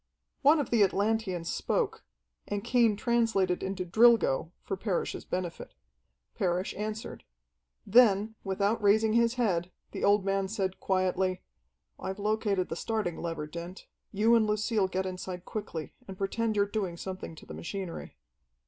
One of the Atlanteans spoke, and Cain translated into "Drilgo" for Parrish's benefit. Parrish answered. Then, without raising his head, the old man said quietly, "I've located the starting lever, Dent. You and Lucille get inside quickly and pretend you're doing something to the machinery."